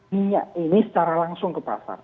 minyak ini secara langsung ke pasar